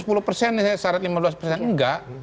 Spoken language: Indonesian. sepuluh persen syaratnya lima belas persen enggak